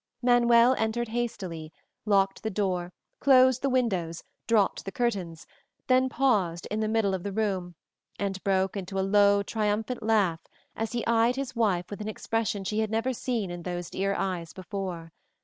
Manuel entered hastily, locked the door, closed the windows, dropped the curtains, then paused in the middle of the room and broke into a low, triumphant laugh as he eyed his wife with an expression she had never seen in those dear eyes before.